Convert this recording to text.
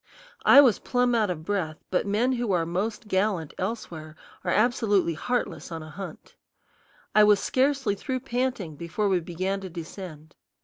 I was plumb out of breath, but men who are most gallant elsewhere are absolutely heartless on a hunt. I was scarcely through panting before we began to descend.